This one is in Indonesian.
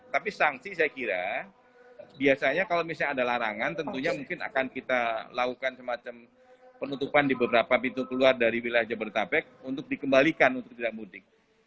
tapi sanksi saya kira biasanya kalau misalnya ada larangan tentunya mungkin akan kita lakukan semacam penutupan di beberapa pintu keluar dari wilayah jabodetabek untuk dikembalikan untuk tidak mudik